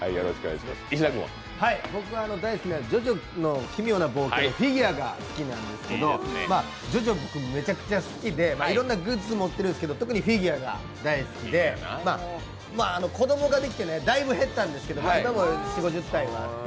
僕は大好きな「ジョジョの奇妙な冒険」のフィギュアが好きなんですけどジョジョ、僕めっちゃ好きでいろんなグッズを持ってるんですけど特にフィギュアが大好きで、子供ができてだいぶ減ったんですけど、今も４０５０体あって。